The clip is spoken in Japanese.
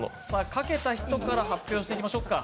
書けた人から発表していきましょうか。